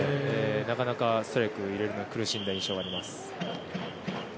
なかなかストライクを入れるのに苦しんだ印象があります。